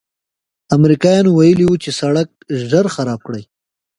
امریکایانو ویلي و چې سړک ژر خراب کړي.